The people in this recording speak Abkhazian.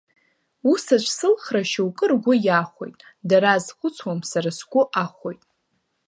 Ус аҵә сылхра, шьоук ргәы иахәоит, дара азхәцуам, сара сгәы ахәоит.